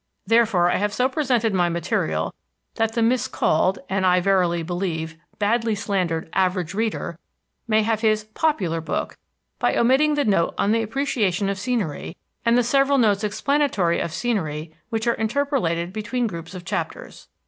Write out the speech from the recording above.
Therefore I have so presented my material that the miscalled, and, I verily believe, badly slandered "average reader," may have his "popular" book by omitting the note on the Appreciation of Scenery, and the several notes explanatory of scenery which are interpolated between groups of chapters.